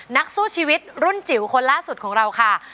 นักสู้ชีวิตรุ่นจิ๋วคนล่าสุดของเราค่ะ